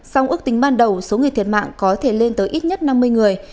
song ước tính ban đầu số người thiệt mạng có thể lên tới ít nhất năm mươi người